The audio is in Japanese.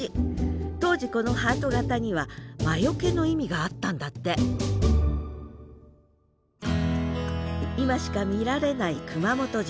当時このハート形には魔よけの意味があったんだって今しか見られない熊本城。